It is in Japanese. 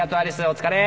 お疲れ！